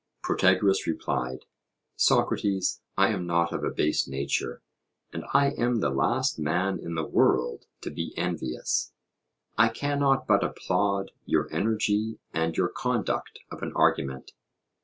Protagoras replied: Socrates, I am not of a base nature, and I am the last man in the world to be envious. I cannot but applaud your energy and your conduct of an argument.